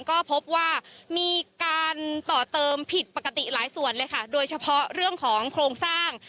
ก็พบว่ามีการต่อเติมผิดปกติหลายส่วนเลยค่ะโดยเฉพาะเรื่องของโครงสร้าง